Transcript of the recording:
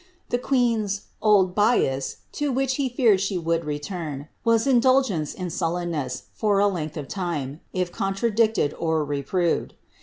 The queen's ^' old bias," to which he feared she would return, was indulgence in sullenness, for a length of time, if contradicted or re proved.